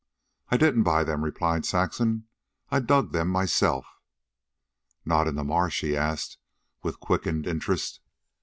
"I didn't buy them," replied Saxon. "I dug them myself." "Not in the marsh?" he asked with quickened interest.